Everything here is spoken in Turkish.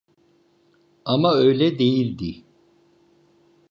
Ama öyle değildi.